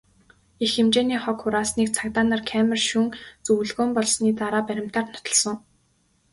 Их хэмжээний хог хураасныг цагдаа нар камер шүүн, зөвлөгөөн болсны дараа баримтаар нотолсон.